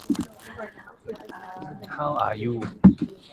也看到人類貪婪自私